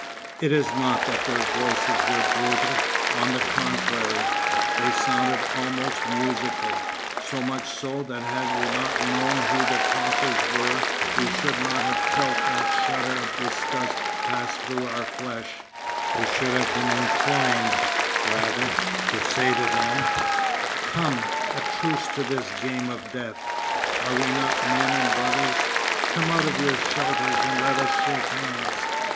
It is not that their voices were brutal; on the contrary, they sounded almost musical, so much so that had we not known who the talkers were we should not have felt that shudder of disgust pass through our flesh; we should have been inclined, rather, to say to them: "Come, a truce to this game of death! Are we not men and brothers? Come out of your shelters and let us shake hands."